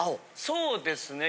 そうですね